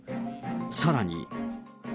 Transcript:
さらに。